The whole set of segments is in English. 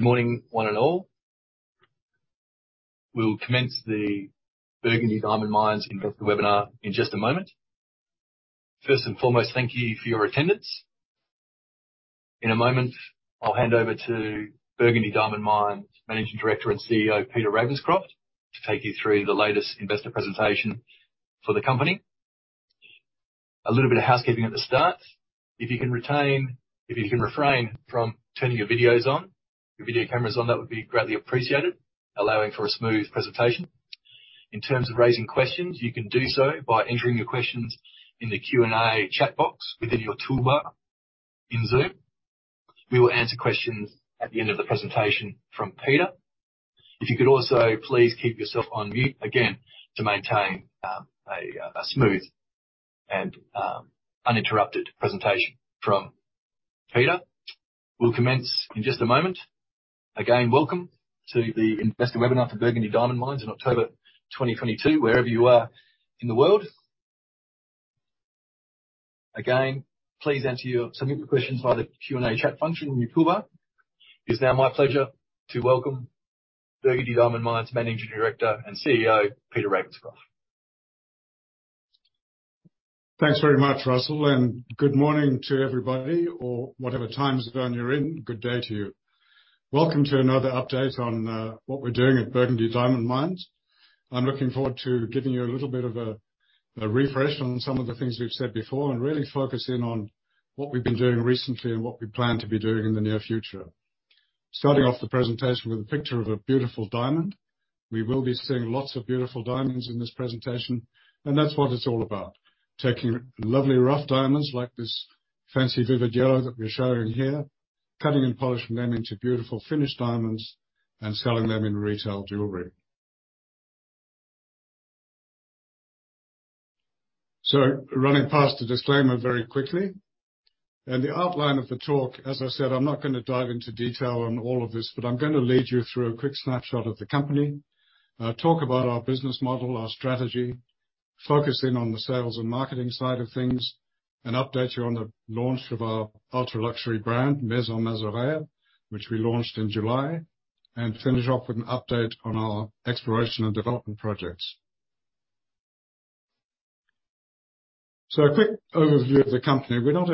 Morning, one and all. We'll commence the Burgundy Diamond Mines investor webinar in just a moment. First and foremost, thank you for your attendance. In a moment, I'll hand over to Burgundy Diamond Mines Managing Director and CEO, Peter Ravenscroft, to take you through the latest investor presentation for the company. A little bit of housekeeping at the start. If you can refrain from turning your videos on, your video cameras on, that would be greatly appreciated, allowing for a smooth presentation. In terms of raising questions, you can do so by entering your questions in the Q&A chat box within your toolbar in Zoom. We will answer questions at the end of the presentation from Peter. If you could also please keep yourself on mute, again, to maintain a smooth and uninterrupted presentation from Peter. We'll commence in just a moment. Again, welcome to the investor webinar for Burgundy Diamond Mines in October 2022, wherever you are in the world. Again, please submit your questions via the Q&A chat function in your toolbar. It's now my pleasure to welcome Burgundy Diamond Mines Managing Director and CEO, Peter Ravenscroft. Thanks very much, Russell, and good morning to everybody or whatever time zone you're in. Good day to you. Welcome to another update on what we're doing at Burgundy Diamond Mines. I'm looking forward to giving you a little bit of a refresh on some of the things we've said before and really focus in on what we've been doing recently and what we plan to be doing in the near future. Starting off the presentation with a picture of a beautiful diamond. We will be seeing lots of beautiful diamonds in this presentation, and that's what it's all about. Taking lovely, rough diamonds like this fancy vivid yellow that we're showing here, cutting and polishing them into beautiful finished diamonds and selling them in retail jewelry. Running past the disclaimer very quickly and the outline of the talk, as I said, I'm not gonna dive into detail on all of this, but I'm gonna lead you through a quick snapshot of the company, talk about our business model, our strategy, focus in on the sales and marketing side of things, and update you on the launch of our ultra-luxury brand, Maison Mazerea, which we launched in July, and finish off with an update on our exploration and development projects. A quick overview of the company. We're not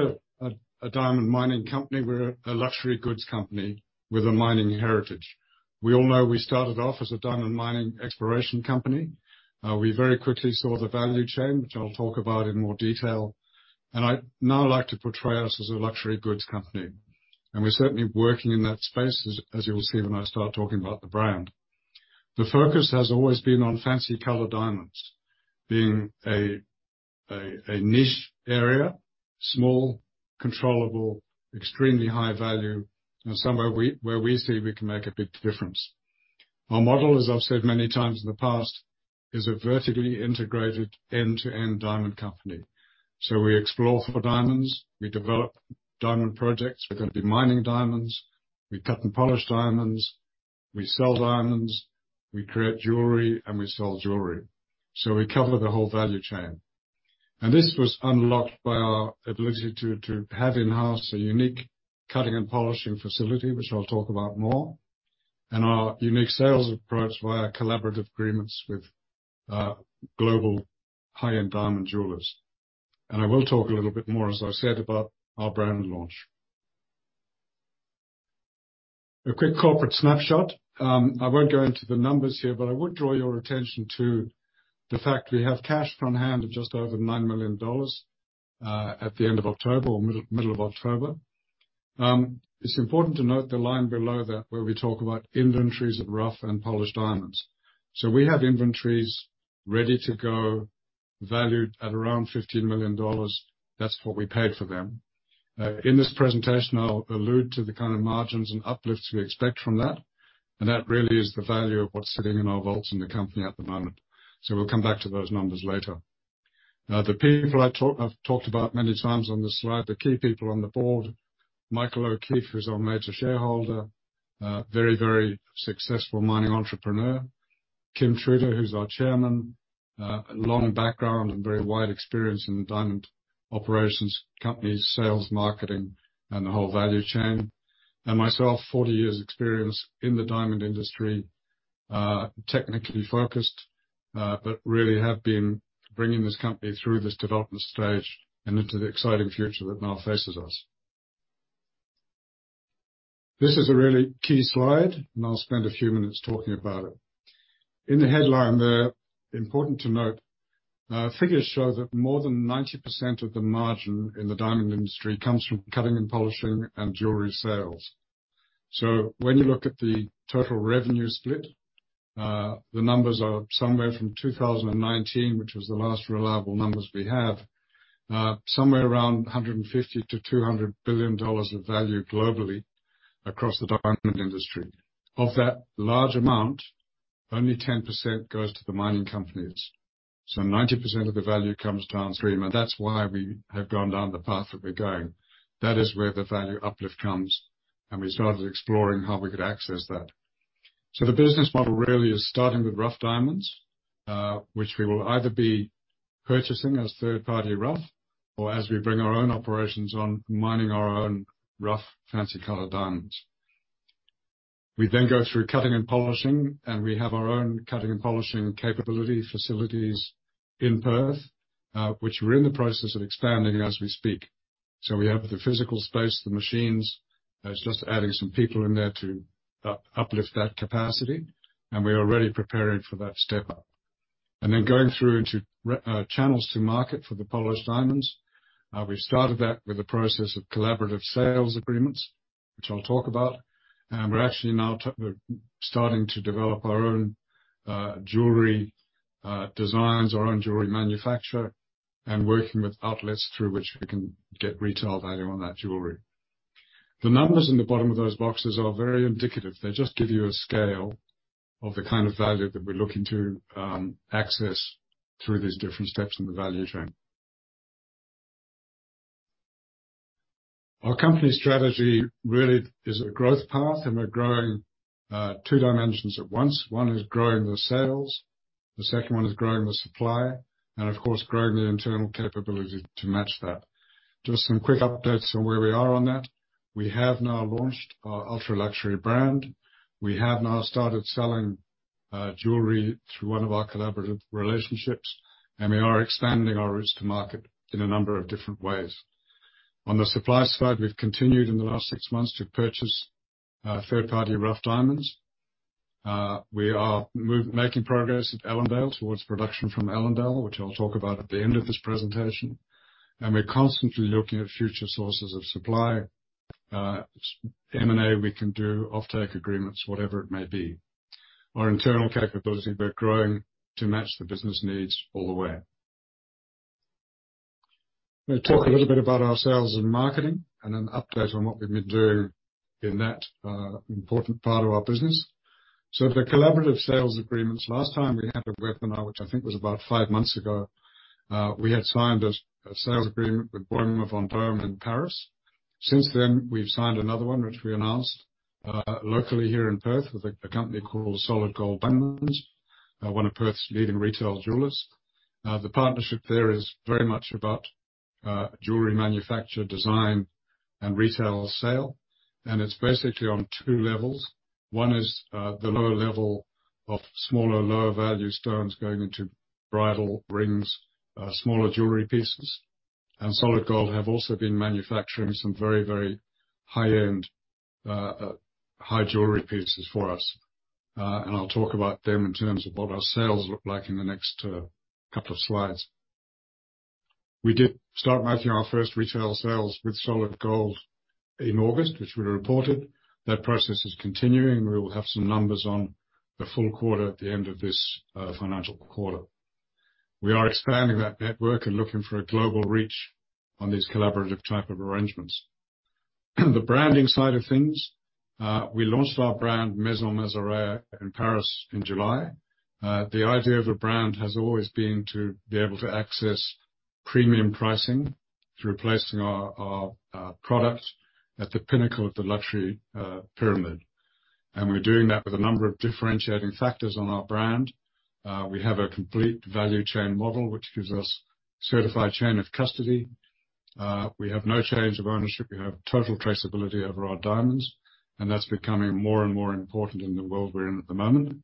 a diamond mining company. We're a luxury goods company with a mining heritage. We all know we started off as a diamond mining exploration company. We very quickly saw the value chain, which I'll talk about in more detail. I'd now like to portray us as a luxury goods company, and we're certainly working in that space, as you will see when I start talking about the brand. The focus has always been on fancy colored diamonds being a niche area, small, controllable, extremely high value and somewhere where we see we can make a big difference. Our model, as I've said many times in the past, is a vertically integrated end-to-end diamond company. We explore for diamonds, we develop diamond projects, we're gonna be mining diamonds, we cut and polish diamonds, we sell diamonds, we create jewelry, and we sell jewelry. We cover the whole value chain.. This was unlocked by our ability to have in-house a unique cutting and polishing facility, which I'll talk about more, and our unique sales approach via collaborative agreements with global high-end diamond jewelers. I will talk a little bit more, as I said, about our brand launch. A quick corporate snapshot. I won't go into the numbers here, but I would draw your attention to the fact we have cash on-hand of just over 9 million dollars at the end of October or middle of October. It's important to note the line below that where we talk about inventories of rough and polished diamonds. We have inventories ready to go, valued at around 15 million dollars. That's what we paid for them. In this presentation, I'll allude to the kind of margins and uplifts we expect from that, and that really is the value of what's sitting in our vaults in the company at the moment. We'll come back to those numbers later. I've talked about many times on this slide, the key people on the board, Michael O'Keeffe, who's our major shareholder. Very successful mining entrepreneur. Kim Truter, who's our Chairman. A long background and very wide experience in the diamond operations, companies, sales, marketing, and the whole value chain. Myself, 40 years experience in the diamond industry, technically focused, but really have been bringing this company through this development stage and into the exciting future that now faces us. This is a really key slide, and I'll spend a few minutes talking about it. In the headline there, important to note, figures show that more than 90% of the margin in the diamond industry comes from cutting and polishing and jewelry sales. When you look at the total revenue split, the numbers are somewhere from 2019, which was the last reliable numbers we have, somewhere around $150 billion-$200 billion of value globally across the diamond industry. Of that large amount, only 10% goes to the mining companies, so 90% of the value comes downstream, and that's why we have gone down the path that we're going. That is where the value uplift comes, and we started exploring how we could access that. The business model really is starting with rough diamonds, which we will either be purchasing as third-party rough or as we bring our own operations on mining our own rough fancy color diamonds. We then go through cutting and polishing, and we have our own cutting and polishing capability facilities in Perth, which we're in the process of expanding as we speak. We have the physical space, the machines. It's just adding some people in there to uplift that capacity, and we are already preparing for that step up. Going through into channels to market for the polished diamonds. We started that with a process of collaborative sales agreements, which I'll talk about. We're actually now starting to develop our own jewelry designs, our own jewelry manufacture, and working with outlets through which we can get retail value on that jewelry. The numbers in the bottom of those boxes are very indicative. They just give you a scale of the kind of value that we're looking to access through these different steps in the value chain. Our company strategy really is a growth path, and we're growing two dimensions at once. One is growing the sales, the second one is growing the supply, and of course, growing the internal capability to match that. Just some quick updates on where we are on that. We have now launched our ultra-luxury brand. We have now started selling jewelry through one of our collaborative relationships, and we are expanding our routes to market in a number of different ways. On the supply side, we've continued in the last six months to purchase third-party rough diamonds. We are making progress at Ellendale towards production from Ellendale, which I'll talk about at the end of this presentation. We're constantly looking at future sources of supply, M&A we can do, offtake agreements, whatever it may be. Our internal capability, we're growing to match the business needs all the way. I'm gonna talk a little bit about our sales and marketing and an update on what we've been doing in that important part of our business. The collaborative sales agreements. Last time we had a webinar, which I think was about five months ago, we had signed a sales agreement with Boyer Maison in Paris. Since then, we've signed another one which we announced locally here in Perth with a company called Solid Gold Diamonds, one of Perth's leading retail jewelers. The partnership there is very much about jewelry manufacture, design, and retail sale, and it's basically on two levels. One is the lower level of smaller, lower value stones going into bridal rings, smaller jewelry pieces. Solid Gold have also been manufacturing some very high-end high jewelry pieces for us, and I'll talk about them in terms of what our sales look like in the next couple of slides. We did start making our first retail sales with Solid Gold in August, which we reported. That process is continuing. We will have some numbers on the full quarter at the end of this financial quarter. We are expanding that network and looking for a global reach on these collaborative type of arrangements. The branding side of things. We launched our brand, Maison Mazerea, in Paris in July. The idea of a brand has always been to be able to access premium pricing through placing our product at the pinnacle of the luxury pyramid. We're doing that with a number of differentiating factors on our brand. We have a complete value chain model, which gives us certified chain of custody. We have no change of ownership. We have total traceability over our diamonds, and that's becoming more and more important in the world we're in at the moment.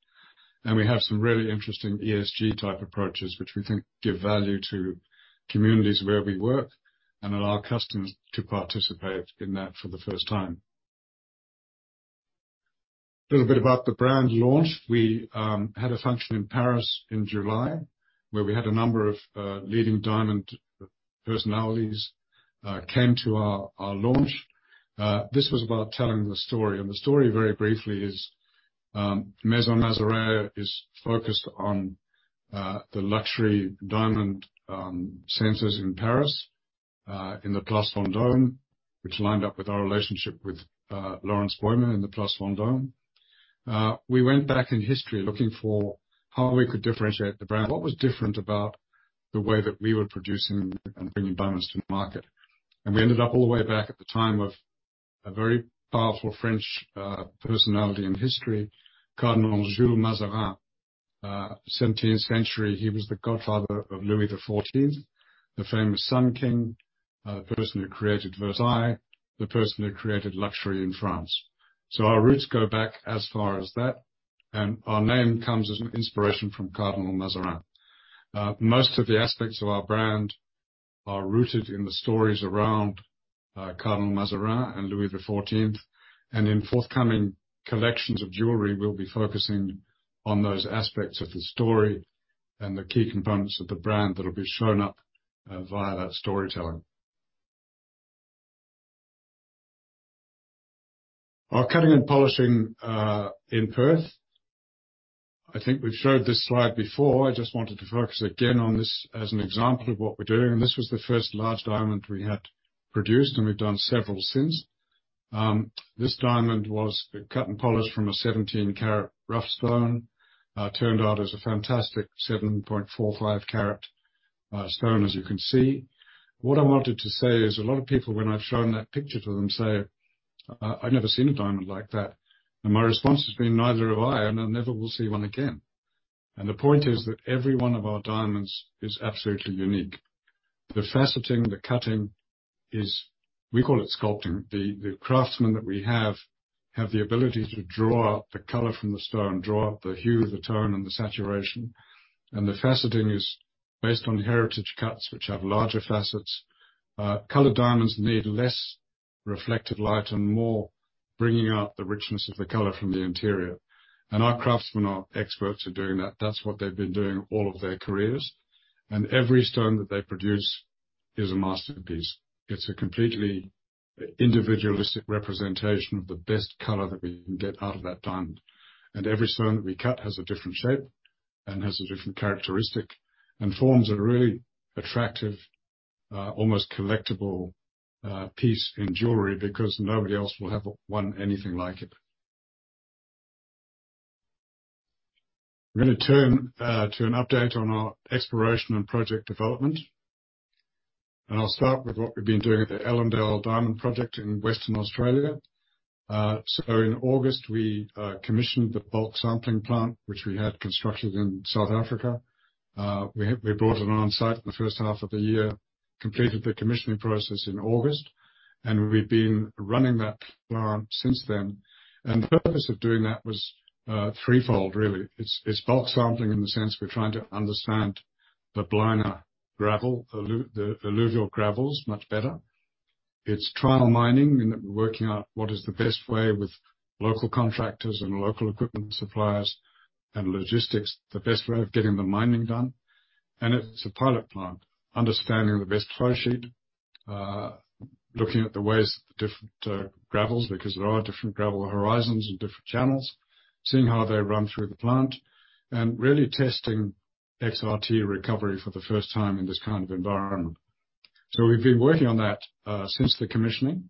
We have some really interesting ESG-type approaches which we think give value to communities where we work and allow customers to participate in that for the first time. A little bit about the brand launch. We had a function in Paris in July, where we had a number of leading diamond personalities came to our launch. This was about telling the story. The story, very briefly, is Maison Mazerea is focused on the luxury diamond centers in Paris, in the Place Vendôme, which lined up with our relationship with Laurence Boyer in the Place Vendôme. We went back in history looking for how we could differentiate the brand. What was different about the way that we were producing and bringing diamonds to the market? We ended up all the way back at the time of a very powerful French personality in history, Cardinal Jules Mazarin. Seventeenth century. He was the godfather of Louis XIV, the famous Sun King, the person who created Versailles, the person who created luxury in France. Our roots go back as far as that, and our name comes as an inspiration from Cardinal Mazarin. Most of the aspects of our brand are rooted in the stories around Cardinal Mazarin and Louis XIV. In forthcoming collections of jewelry, we'll be focusing on those aspects of the story and the key components of the brand that'll be shown up via that storytelling. Our cutting and polishing in Perth. I think we've showed this slide before. I just wanted to focus again on this as an example of what we're doing. This was the first large diamond we had produced, and we've done several since. This diamond was cut and polished from a 17-carat rough stone. Turned out as a fantastic 7.45-carat stone, as you can see. What I wanted to say is, a lot of people when I've shown that picture to them say, "I've never seen a diamond like that." My response has been, "Neither have I, and I never will see one again." The point is that every one of our diamonds is absolutely unique. The faceting, the cutting is, we call it sculpting. The craftsmen that we have have the ability to draw out the color from the stone, draw out the hue, the tone, and the saturation. The faceting is based on heritage cuts, which have larger facets. Colored diamonds need less reflected light and more bringing out the richness of the color from the interior. Our craftsmen are experts at doing that. That's what they've been doing all of their careers. Every stone that they produce is a masterpiece. It's a completely individualistic representation of the best color that we can get out of that diamond. Every stone that we cut has a different shape and has a different characteristic, and forms a really attractive, almost collectible, piece in jewelry because nobody else will have one anything like it. I'm gonna turn to an update on our exploration and project development, and I'll start with what we've been doing at the Ellendale Diamond Project in Western Australia. In August, we commissioned the bulk sampling plant which we had constructed in South Africa. We brought it on-site in the first half of the year, completed the commissioning process in August, and we've been running that plant since then. The purpose of doing that was threefold, really. It's bulk sampling in the sense we're trying to understand the Blina gravel, the alluvial gravels much better. It's trial mining in that we're working out what is the best way with local contractors and local equipment suppliers and logistics, the best way of getting the mining done. It's a pilot plant, understanding the best flow sheet, looking at the ways different gravels, because there are different gravel horizons and different channels, seeing how they run through the plant and really testing XRT recovery for the first time in this kind of environment. We've been working on that since the commissioning,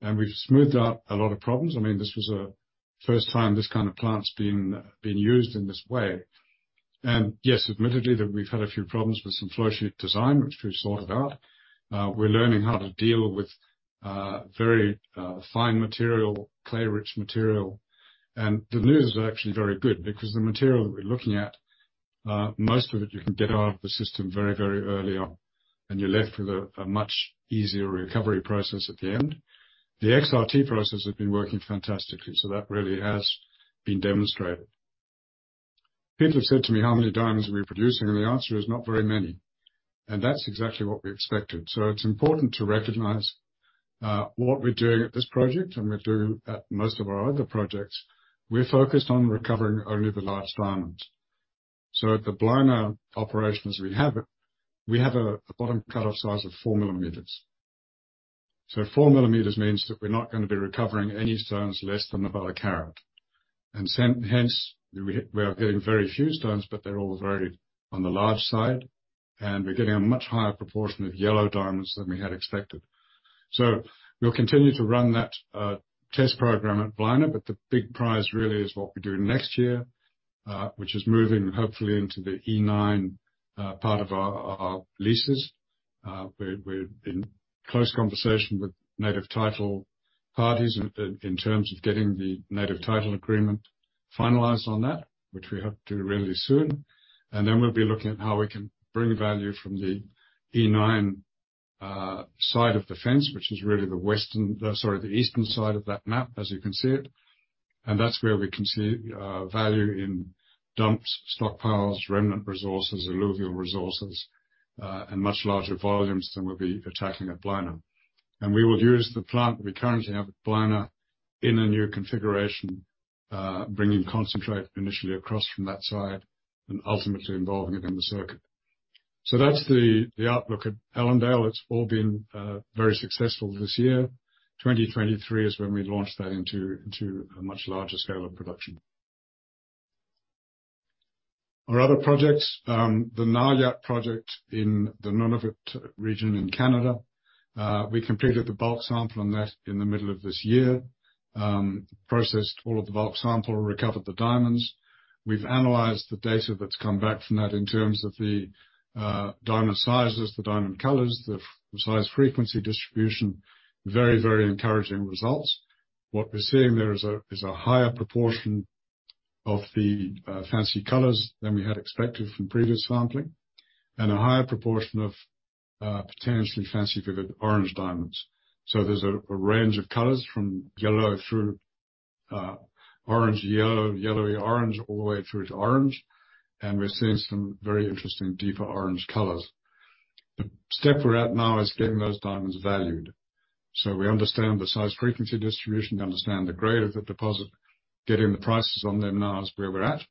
and we've smoothed out a lot of problems. I mean, this was a first time this kind of plant's been used in this way. Yes, admittedly, that we've had a few problems with some flow sheet design, which we've sorted out. We're learning how to deal with very fine material, clay-rich material. The news is actually very good because the material that we're looking at, most of it you can get out of the system very, very early on, and you're left with a much easier recovery process at the end. The XRT process has been working fantastically, so that really has been demonstrated. People have said to me, "How many diamonds are we producing?" The answer is not very many. That's exactly what we expected. It's important to recognize what we're doing at this project and we're doing at most of our other projects. We're focused on recovering only the large diamonds. At the Blina operations, we have a bottom cut-off size of 4 mm. So 4 mm means that we're not gonna be recovering any stones less than about a carat. Hence, we are getting very few stones, but they're all very on the large side, and we're getting a much higher proportion of yellow diamonds than we had expected. We'll continue to run that test program at Blina. The big prize really is what we do next year, which is moving hopefully into the E9 part of our leases. We're in close conversation with native title parties in terms of getting the native title agreement finalized on that, which we have to really soon. Then we'll be looking at how we can bring value from the E9 side of the fence, which is really the eastern side of that map as you can see it. That's where we can see value in dumped stockpiles, remnant resources, alluvial resources, and much larger volumes than we'll be attacking at Blina. We will use the plant that we currently have at Blina in a new configuration, bringing concentrate initially across from that side and ultimately involving it in the circuit. That's the outlook at Ellendale. It's all been very successful this year. 2023 is when we launch that into a much larger scale of production. Our other projects, the Naujaat project in the Nunavut region in Canada. We completed the bulk sample on that in the middle of this year. Processed all of the bulk sample, recovered the diamonds. We've analyzed the data that's come back from that in terms of the diamond sizes, the diamond colors, the size frequency distribution, very encouraging results. What we're seeing there is a higher proportion of the fancy colors than we had expected from previous sampling and a higher proportion of potentially fancy vivid orange diamonds. There's a range of colors from yellow through orange-yellow, yellowy-orange, all the way through to orange. We're seeing some very interesting deeper orange colors. The step we're at now is getting those diamonds valued. We understand the size frequency distribution, we understand the grade of the deposit, getting the prices on them now is where we're at,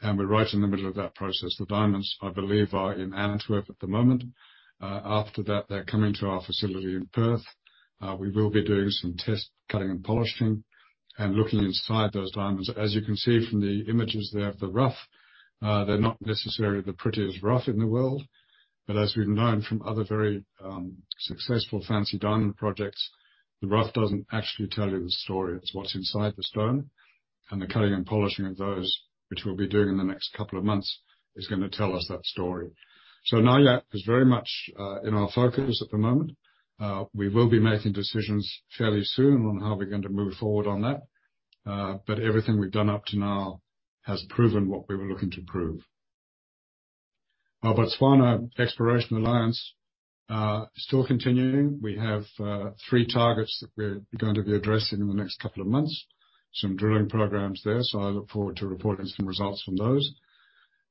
and we're right in the middle of that process. The diamonds, I believe, are in Antwerp at the moment. After that, they're coming to our facility in Perth. We will be doing some test cutting and polishing and looking inside those diamonds. As you can see from the images there of the rough, they're not necessarily the prettiest rough in the world, but as we've known from other very successful fancy diamond projects, the rough doesn't actually tell you the story. It's what's inside the stone. The cutting and polishing of those, which we'll be doing in the next couple of months, is gonna tell us that story. Naujaat is very much in our focus at the moment. We will be making decisions fairly soon on how we're gonna move forward on that. Everything we've done up to now has proven what we were looking to prove. Our Botswana Exploration Alliance still continuing. We have three targets that we're going to be addressing in the next couple of months. Some drilling programs there, so I look forward to reporting some results from those.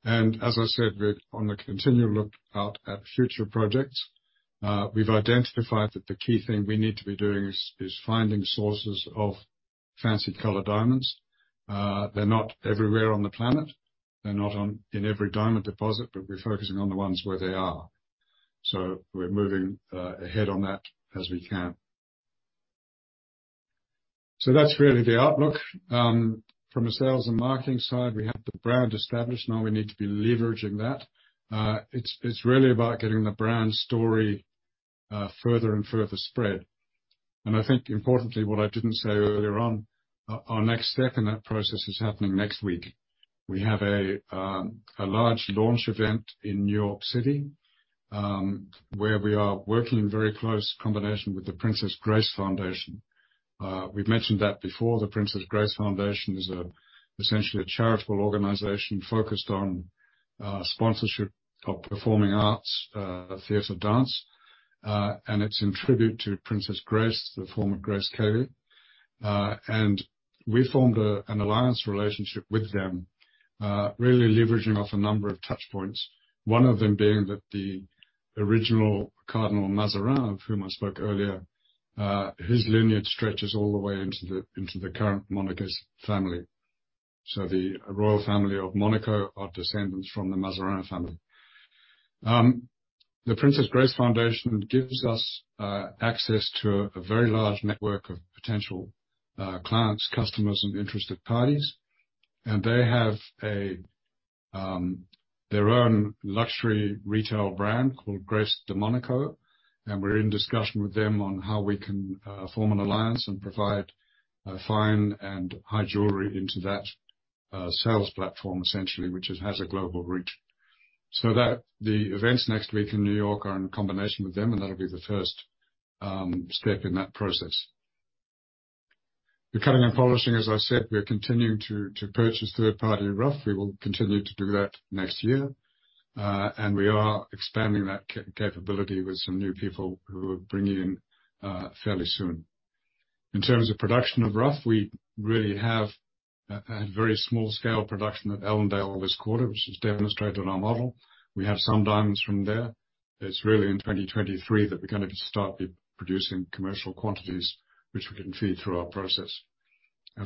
As I said, we're on the continual lookout for future projects. We've identified that the key thing we need to be doing is finding sources of fancy colored diamonds. They're not everywhere on the planet. They're not in every diamond deposit, but we're focusing on the ones where they are. We're moving ahead on that as we can. That's really the outlook. From a sales and marketing side, we have the brand established, now we need to be leveraging that. It's really about getting the brand story further and further spread. I think importantly, what I didn't say earlier on, our next step in that process is happening next week. We have a large launch event in New York City, where we are working in very close combination with the Princess Grace Foundation. We've mentioned that before. The Princess Grace Foundation is essentially a charitable organization focused on sponsorship of performing arts, theater, dance. It's in tribute to Princess Grace, the former Grace Kelly. We formed an alliance relationship with them, really leveraging off a number of touch points. One of them being that the original Cardinal Mazarin, of whom I spoke earlier, his lineage stretches all the way into the current Monaco's family. The royal family of Monaco are descendants from the Mazarin family. The Princess Grace Foundation gives us access to a very large network of potential clients, customers, and interested parties. They have their own luxury retail brand called Grace de Monaco, and we're in discussion with them on how we can form an alliance and provide fine and high jewelry into that sales platform, essentially, which it has a global reach. The events next week in New York are in combination with them, and that'll be the first step in that process. The cutting and polishing, as I said, we're continuing to purchase third-party rough. We will continue to do that next year. We are expanding that capability with some new people who we're bringing in fairly soon. In terms of production of rough, we really have a very small scale production at Ellendale this quarter, which has demonstrated our model. We have some diamonds from there. It's really in 2023 that we're gonna start producing commercial quantities, which we can feed through our process.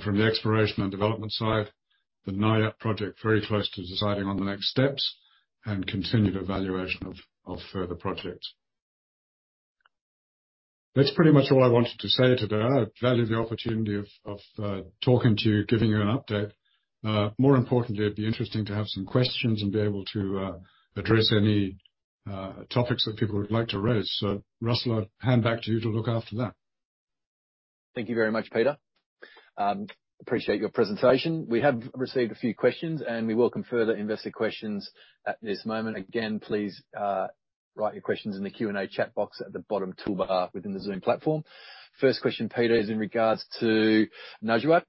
From the exploration and development side, the Naujaat project, very close to deciding on the next steps and continued evaluation of further projects. That's pretty much all I wanted to say today. I value the opportunity of talking to you, giving you an update. More importantly, it'd be interesting to have some questions and be able to address any topics that people would like to raise. Russell, I'll hand back to you to look after that. Thank you very much, Peter. Appreciate your presentation. We have received a few questions, and we welcome further investor questions at this moment. Again, please, write your questions in the Q&A chat box at the bottom toolbar within the Zoom platform. First question, Peter, is in regards to Naujaat.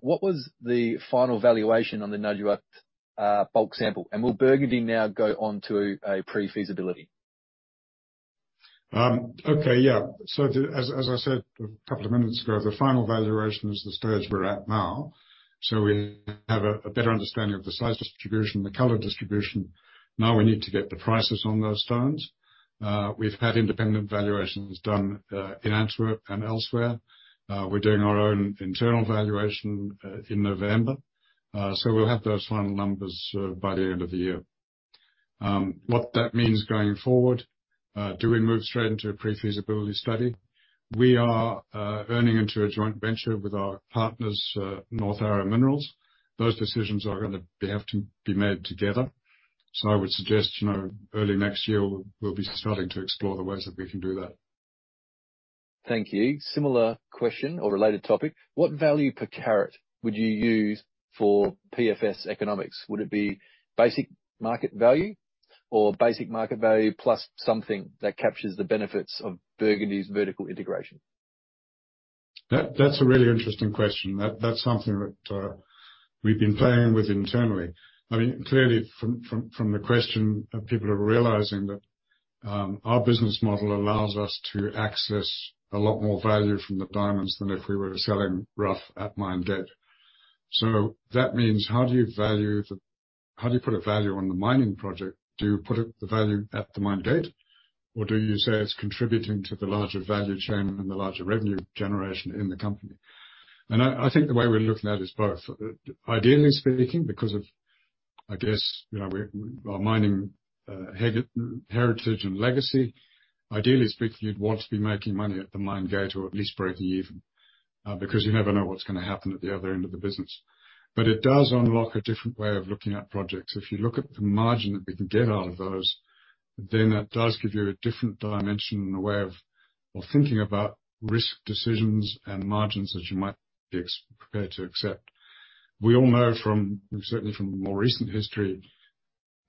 What was the final valuation on the Naujaat bulk sample? And will Burgundy now go on to a pre-feasibility? As I said a couple of minutes ago, the final valuation is the stage we're at now. We have a better understanding of the size distribution, the color distribution. Now we need to get the prices on those stones. We've had independent valuations done in Antwerp and elsewhere. We're doing our own internal valuation in November. We'll have those final numbers by the end of the year. What that means going forward, do we move straight into a pre-feasibility study? We are earning into a joint venture with our partners, North Arrow Minerals. Those decisions have to be made together. I would suggest, you know, early next year we'll be starting to explore the ways that we can do that. Thank you. Similar question or related topic. What value per carat would you use for PFS economics? Would it be basic market value or basic market value plus something that captures the benefits of Burgundy's vertical integration? That's a really interesting question. That's something that we've been playing with internally. I mean, clearly from the question, people are realizing that our business model allows us to access a lot more value from the diamonds than if we were selling rough at mine gate. So that means how do you put a value on the mining project? Do you put it, the value, at the mine gate, or do you say it's contributing to the larger value chain and the larger revenue generation in the company? I think the way we're looking at is both. Ideally speaking, because of, I guess, you know, our mining heritage and legacy. Ideally speaking, you'd want to be making money at the mine gate or at least breaking even, because you never know what's gonna happen at the other end of the business. It does unlock a different way of looking at projects. If you look at the margin that we can get out of those, then that does give you a different dimension and a way of thinking about risk decisions and margins that you might be prepared to accept. We all know, certainly from more recent history,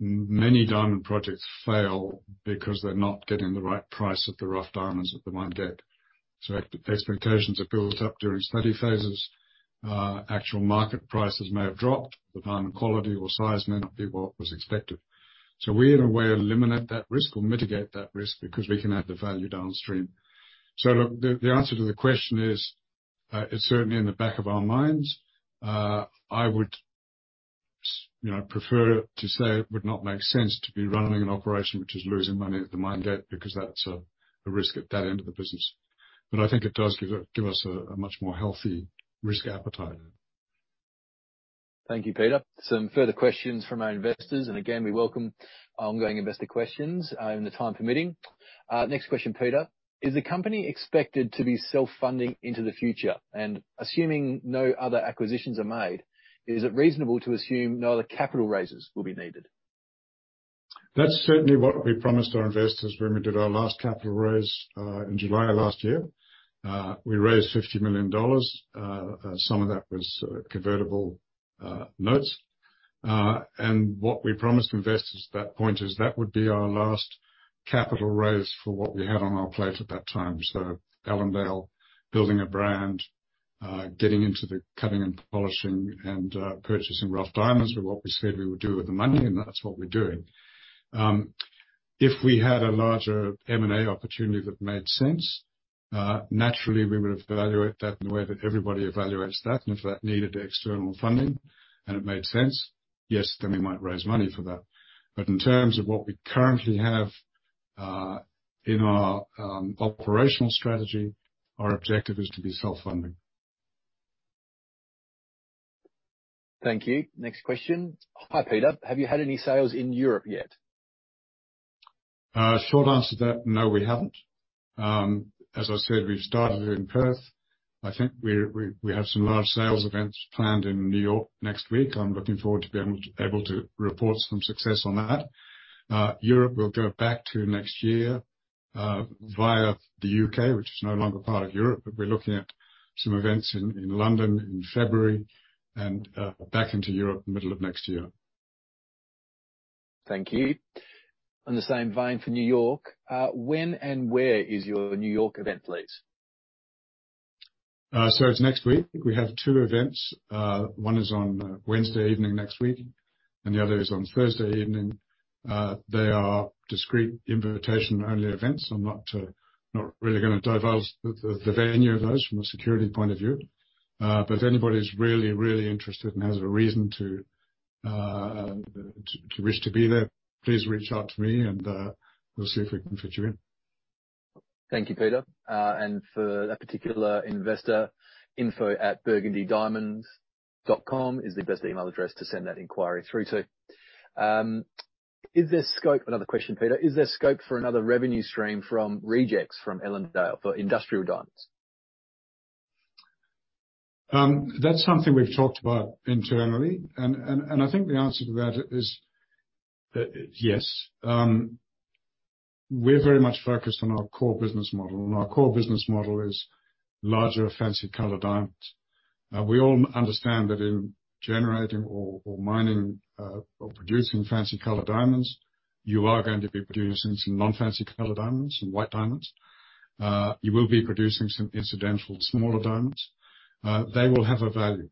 many diamond projects fail because they're not getting the right price of the rough diamonds at the mine gate. Expectations are built up during study phases. Actual market prices may have dropped. The diamond quality or size may not be what was expected. We, in a way, eliminate that risk or mitigate that risk because we can add the value downstream. Look, the answer to the question is, it's certainly in the back of our minds. I would, you know, prefer to say it would not make sense to be running an operation which is losing money at the mine gate, because that's a risk at that end of the business. I think it does give us a much more healthy risk appetite. Thank you, Peter. Some further questions from our investors, and again, we welcome ongoing investor questions, if time permits. Next question, Peter. Is the company expected to be self-funding into the future? And assuming no other acquisitions are made, is it reasonable to assume no other capital raises will be needed? That's certainly what we promised our investors when we did our last capital raise in July of last year. We raised $50 million. Some of that was convertible notes. What we promised investors at that point is that would be our last capital raise for what we had on our plate at that time. Ellendale, building a brand, getting into the cutting and polishing and purchasing rough diamonds were what we said we would do with the money, and that's what we're doing. If we had a larger M&A opportunity that made sense, naturally we would evaluate that in the way that everybody evaluates that. If that needed external funding and it made sense, yes, then we might raise money for that. In terms of what we currently have, in our operational strategy, our objective is to be self-funding. Thank you. Next question. Hi, Peter. Have you had any sales in Europe yet? Short answer to that, no, we haven't. As I said, we've started in Perth. I think we have some large sales events planned in New York next week. I'm looking forward to being able to report some success on that. Europe, we'll go back to next year via the U.K., Which is no longer part of Europe, but we're looking at some events in London in February and back into Europe middle of next year. Thank you. In the same vein for New York, when and where is your New York event, please? It's next week. We have two events. One is on Wednesday evening next week, and the other is on Thursday evening. They are discreet invitation-only events. I'm not really gonna divulge the venue of those from a security point of view. If anybody's really interested and has a reason to wish to be there, please reach out to me, and we'll see if we can fit you in. Thank you, Peter. For that particular investor, info@burgundydiamonds.com is the best email address to send that inquiry through to. Another question, Peter. Is there scope for another revenue stream from rejects from Ellendale for industrial diamonds? That's something we've talked about internally, and I think the answer to that is yes. We're very much focused on our core business model, and our core business model is larger fancy colored diamonds. We all understand that in generating or mining or producing fancy colored diamonds, you are going to be producing some non-fancy colored diamonds and white diamonds. You will be producing some incidental smaller diamonds. They will have a value.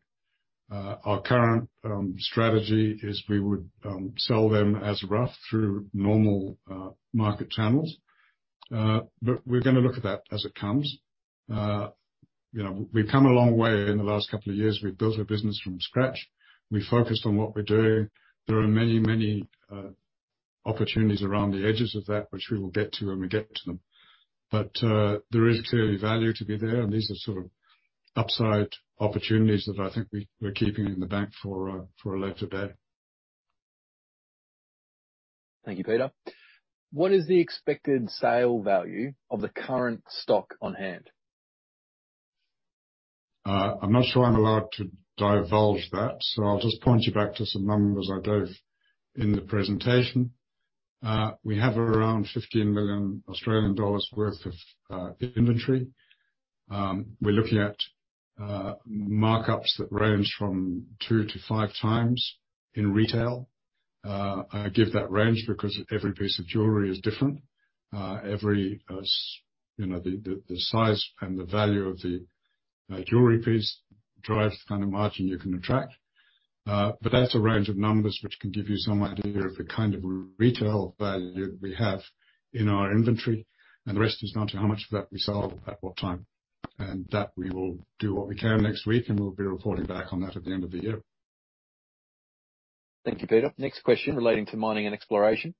Our current strategy is we would sell them as rough through normal market channels. We're gonna look at that as it comes. You know, we've come a long way in the last couple of years. We've built a business from scratch. We focused on what we're doing. There are many, many, opportunities around the edges of that, which we will get to when we get to them. There is clearly value to be there, and these are sort of upside opportunities that I think we're keeping in the bank for a later day. Thank you, Peter. What is the expected sale value of the current stock on hand? I'm not sure I'm allowed to divulge that, so I'll just point you back to some numbers I gave in the presentation. We have around 15 million Australian dollars worth of inventory. We're looking at markups that range from 2x-5x in retail. I give that range because every piece of jewelry is different. Every you know, the size and the value of the jewelry piece drives the kind of margin you can attract. But that's a range of numbers which can give you some idea of the kind of retail value we have in our inventory, and the rest is down to how much of that we sell at what time. That we will do what we can next week, and we'll be reporting back on that at the end of the year. Thank you, Peter. Next question relating to mining and exploration.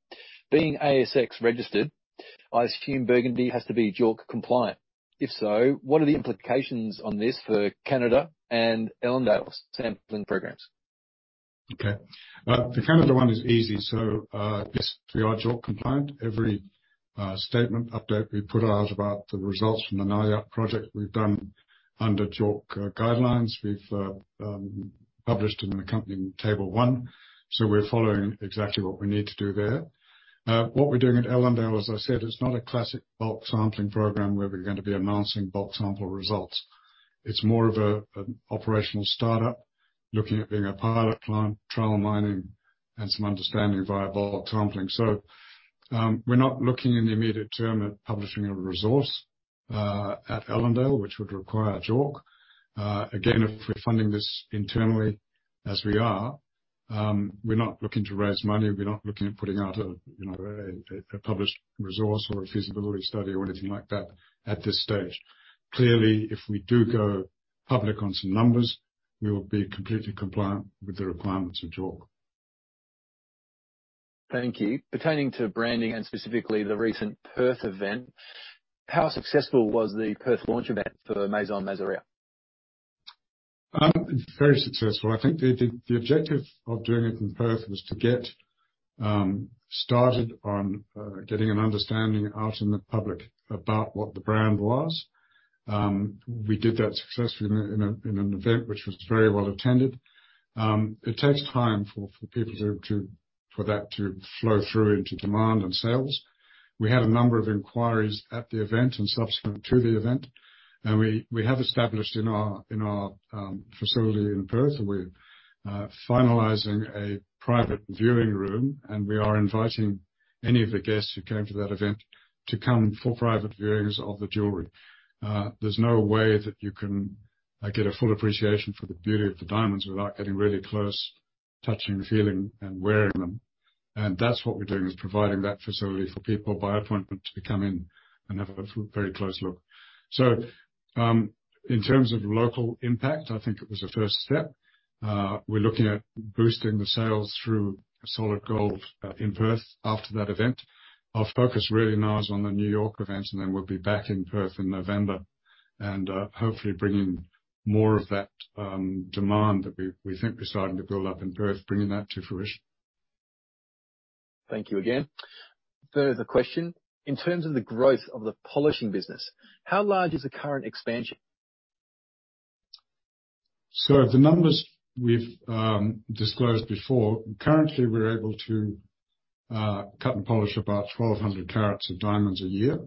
Being ASX registered, I assume Burgundy has to be JORC compliant. If so, what are the implications on this for Canada and Ellendale's sampling programs? Okay. The Canada one is easy. Yes, we are JORC compliant. Every statement update we put out about the results from the Naujaat project we've done under JORC guidelines. We've published in an accompanying Table 1. We're following exactly what we need to do there. What we're doing at Ellendale, as I said, it's not a classic bulk sampling program where we're gonna be announcing bulk sample results. It's more of an operational startup looking at being a pilot plant, trial mining and some understanding via bulk sampling. We're not looking in the immediate term at publishing a resource at Ellendale, which would require JORC. Again, if we're funding this internally, as we are, we're not looking to raise money. We're not looking at putting out a you know published resource or a feasibility study or anything like that at this stage. Clearly, if we do go public on some numbers, we will be completely compliant with the requirements of JORC. Thank you. Pertaining to branding and specifically the recent Perth event, how successful was the Perth launch event for Maison Mazerea? Very successful. I think the objective of doing it in Perth was to get started on getting an understanding out in the public about what the brand was. We did that successfully in an event which was very well attended. It takes time for that to flow through into demand and sales. We had a number of inquiries at the event and subsequent to the event. We have established in our facility in Perth, and we're finalizing a private viewing room, and we are inviting any of the guests who came to that event to come for private viewings of the jewelry. There's no way that you can get a full appreciation for the beauty of the diamonds without getting really close, touching, feeling and wearing them. That's what we're doing, is providing that facility for people by appointment to come in and have a very close look. In terms of local impact, I think it was a first step. We're looking at boosting the sales through Solid Gold, in Perth after that event. Our focus really now is on the New York event, and then we'll be back in Perth in November and, hopefully bringing more of that, demand that we think we're starting to build up in Perth, bringing that to fruition. Thank you again. Further question. In terms of the growth of the polishing business, how large is the current expansion? The numbers we've disclosed before, currently we're able to cut and polish about 1,200 carats of diamonds a year.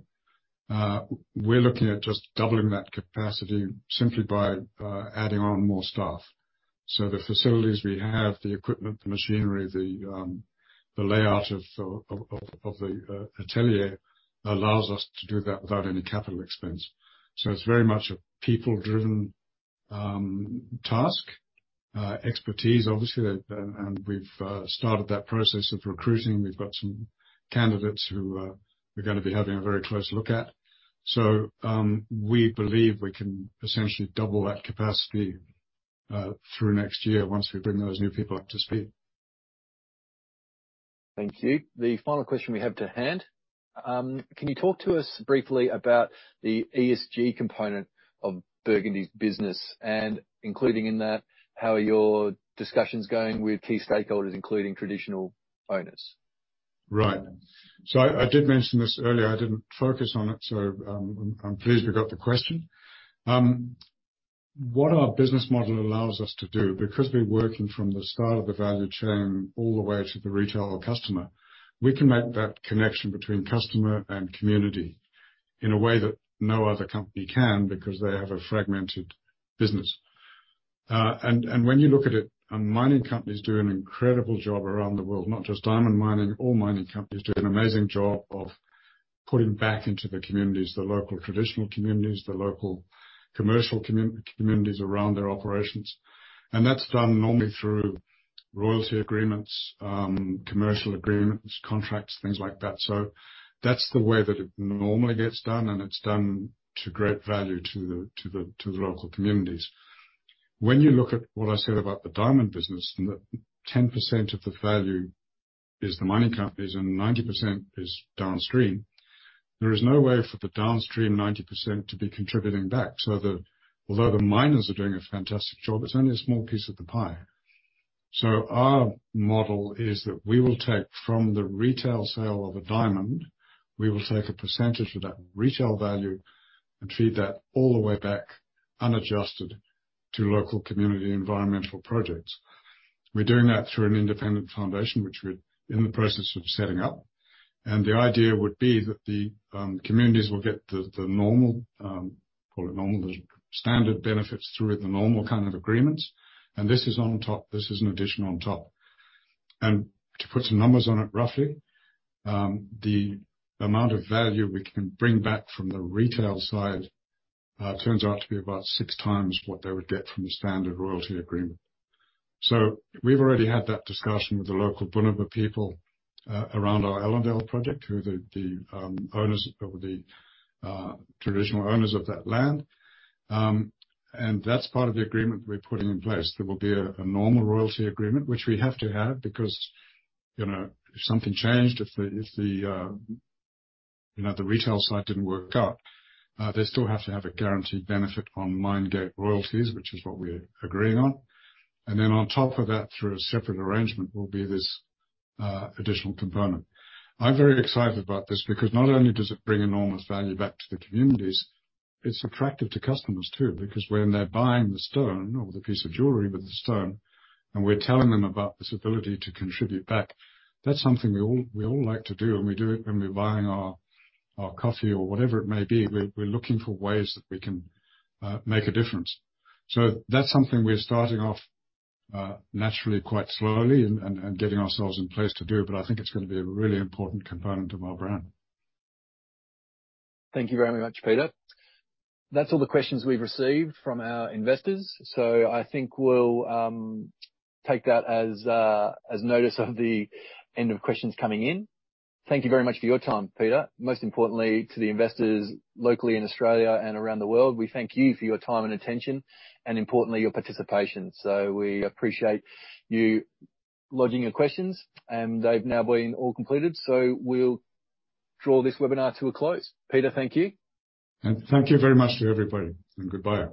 We're looking at just doubling that capacity simply by adding on more staff. The facilities we have, the equipment, the machinery, the layout of the atelier allows us to do that without any capital expense. It's very much a people-driven task, expertise, obviously. We've started that process of recruiting. We've got some candidates who we're gonna be having a very close look at. We believe we can essentially double that capacity through next year once we bring those new people up to speed. Thank you. The final question. We have to end, can you talk to us briefly about the ESG component of Burgundy's business and including in that, how are your discussions going with key stakeholders, including traditional owners? Right. I did mention this earlier. I didn't focus on it. I'm pleased we got the question. What our business model allows us to do, because we're working from the start of the value chain all the way to the retail customer, we can make that connection between customer and community in a way that no other company can because they have a fragmented business. When you look at it, mining companies do an incredible job around the world, not just diamond mining. All mining companies do an amazing job of putting back into the communities, the local traditional communities, the local commercial communities around their operations. That's done normally through royalty agreements, commercial agreements, contracts, things like that. That's the way that it normally gets done, and it's done to great value to the local communities. When you look at what I said about the diamond business and that 10% of the value is the mining companies and 90% is downstream, there is no way for the downstream 90% to be contributing back. Although the miners are doing a fantastic job, it's only a small piece of the pie. Our model is that we will take from the retail sale of a diamond, we will take a percentage of that retail value and feed that all the way back, unadjusted, to local community environmental projects. We're doing that through an independent foundation which we're in the process of setting up. The idea would be that the communities will get the normal, call it normal, the standard benefits through the normal kind of agreements. This is on top, this is in addition on top. To put some numbers on it, roughly, the amount of value we can bring back from the retail side turns out to be about 6x what they would get from the standard royalty agreement. We've already had that discussion with the local Bunuba people around our Ellendale project, who are the owners, or the traditional owners of that land. That's part of the agreement we're putting in place. There will be a normal royalty agreement, which we have to have because you know if something changed, if the retail site didn't work out, they still have to have a guaranteed benefit on mine gate royalties, which is what we're agreeing on. On top of that, through a separate arrangement, will be this additional component. I'm very excited about this because not only does it bring enormous value back to the communities, it's attractive to customers too. When they're buying the stone or the piece of jewelry with the stone, and we're telling them about this ability to contribute back, that's something we all like to do, and we do it when we're buying our coffee or whatever it may be. We're looking for ways that we can make a difference. That's something we're starting off naturally quite slowly and getting ourselves in place to do, but I think it's gonna be a really important component of our brand. Thank you very much, Peter. That's all the questions we've received from our investors, so I think we'll take that as notice of the end of questions coming in. Thank you very much for your time, Peter. Most importantly to the investors locally in Australia and around the world, we thank you for your time and attention and importantly your participation. We appreciate you lodging your questions and they've now been all completed, so we'll draw this webinar to a close. Peter, thank you. Thank you very much to everybody, and goodbye.